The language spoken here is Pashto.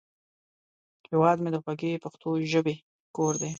هیواد مې د خوږې پښتو ژبې کور دی